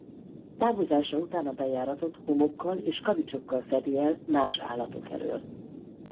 Távozása után a bejáratot homokkal és kavicsokkal fedi el más állatok elől.